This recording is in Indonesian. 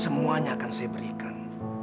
semuanya akan saya berikan